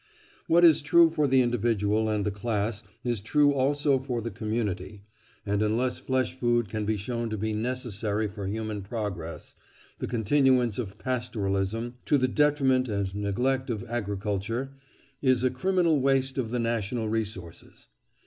What is true for the individual and the class is true also for the community, and unless flesh food can be shown to be necessary for human progress, the continuance of pastoralism, to the detriment and neglect of agriculture, is a criminal waste of the national resources.